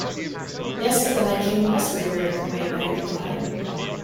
‘Yes, but then I came and rescued her!’ the White Knight replied.